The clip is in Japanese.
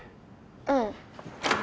うん。